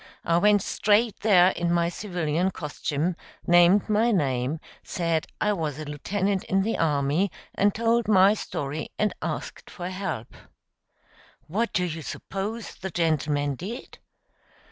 I went straight there in my civilian costume, named my name, said I was a lieutenant in the army, and told my story and asked for help. "What do you suppose the gentleman did?